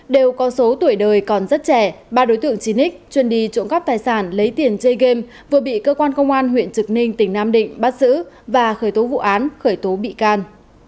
đều có số tuổi đời còn rất trẻ ba đối tượng chín x chuyên đi trộm cắp tài sản lấy tiền chơi game vừa bị cơ quan công an huyện trực ninh tỉnh nam định bắt giữ và khởi tố vụ án khởi tố bị can